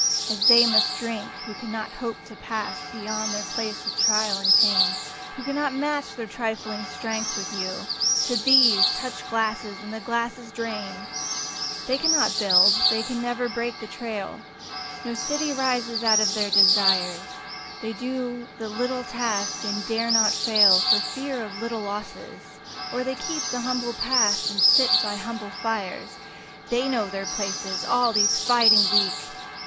As they must drink, who cannot hope to pass Beyond their place of trial and of pain. Who cannot match their trifling strength with you; To these, touch glasses — ^and the glasses drain ! They cannot build, they never break the trail. No city rises out of their desires ; They do the little task, and dare not fail For fear of little losses — or they keep The humble path and sit by humble fires; They know their places — all these fighting Weak!